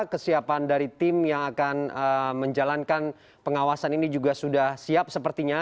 kesiapan dari tim yang akan menjalankan pengawasan ini juga sudah siap sepertinya